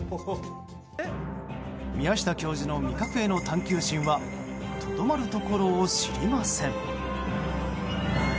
宮下教授の味覚への探求心はとどまるところを知りません。